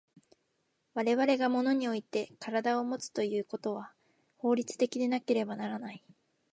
我々が物において身体をもつということは法律的でなければならない。